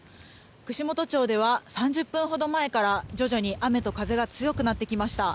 串本町では３０分ほど前から徐々に雨と風が強くなってきました。